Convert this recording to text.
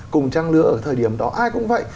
cùng trăng lứa ở thời điểm đó ai cũng vậy